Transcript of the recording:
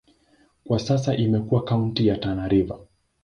Kwa sasa imekuwa kaunti ya Tana River.